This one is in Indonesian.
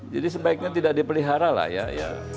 jadi sebaiknya tidak dipelihara lah